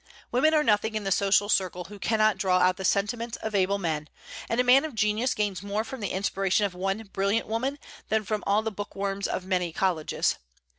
Women are nothing in the social circle who cannot draw out the sentiments of able men; and a man of genius gains more from the inspiration of one brilliant woman than from all the bookworms of many colleges.